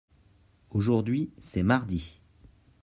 aujourd'hui c'est mardi.